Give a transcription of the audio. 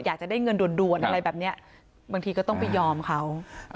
อยากจะได้เงินด่วนอะไรแบบนี้บางทีก็ต้องไปยอมเขา